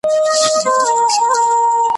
د غرمې پر مهال ږغ د نغارو سو